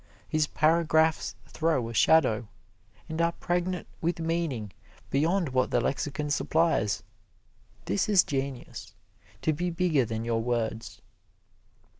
His paragraphs throw a shadow, and are pregnant with meaning beyond what the lexicon supplies. This is genius to be bigger than your words.